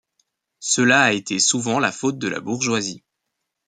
Cela a été souvent la faute de la bourgeoisie.